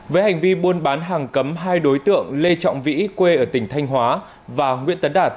với hành vi buôn bán hàng cấm hai đối tượng lê trọng vĩ quê ở tỉnh thanh hóa và nguyễn tấn đạt